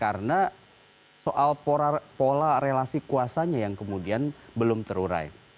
karena soal pola relasi kuasanya yang kemudian belum terurai